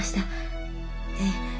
ええ。